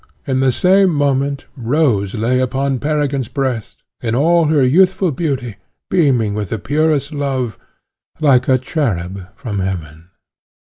in the same moment, Rose lay upon Peregrine's breast, in all her youthful beauty, beaming with the purest love, like a cherub from Heaven.